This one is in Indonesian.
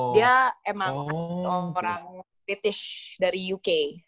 dia emang asli orang british dari uk